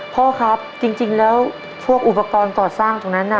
พ่อครับจริงแล้วพวกอุปกรณ์ก่อสร้างตรงนั้นน่ะ